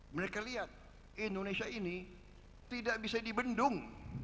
mereka lihat indonesia ini tidak bisa dibendung